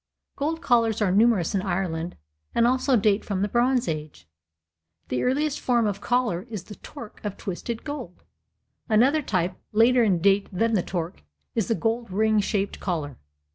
Gold collars are numerous in Ireland and also date from the bronze age. The earliest form of collar is the "torc" of twisted gold. Another type, later in date than the torc, is the gold ring shaped collar.